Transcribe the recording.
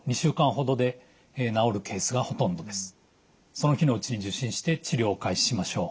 その日のうちに受診して治療を開始しましょう。